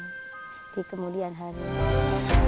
jadi kemudian hari ini